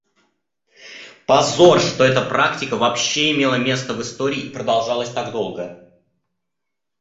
Позор, что эта практика вообще имела место в истории и продолжалась так долго.